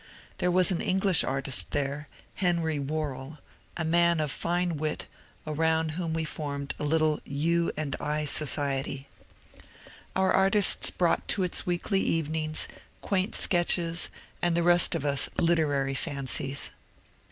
There was an English artist there, Henry Worrall, a man of fine wit, around whom we formed a little "U & I" society. Our artists brought to its weekly evenings quaint sketches and the rest of us literary fancies.